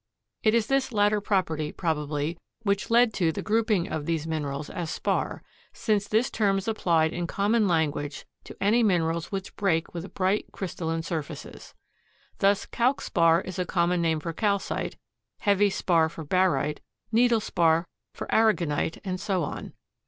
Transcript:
It is this latter property, probably, which led to the grouping of these minerals as spar, since this term is applied in common language to any minerals which break with bright crystalline surfaces. Thus calc spar is a common name for calcite, heavy spar for barite, needle spar for aragonite, and so on.